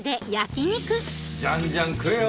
じゃんじゃん食えよ！